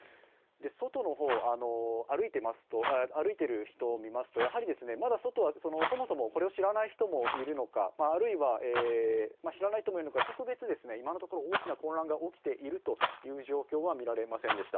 外の方、歩いている人を見ますと、まだ外はそもそもこれを知らない人もいるのか、あるいは特別、今のところ大きな混乱が起きているという状況は見られませんでした。